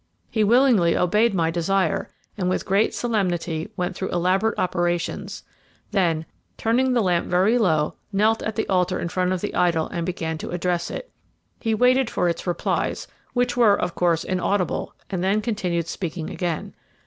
He willingly obeyed my desire, and with great solemnity went through elaborate operations; then, turning the lamp very low, knelt at the altar in front of the idol and began to address it. He waited for its replies, which were, of course, inaudible, and then continued speaking again.